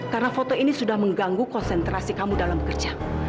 karena foto ini sudah mengganggu konsentrasi kamu dalam bekerja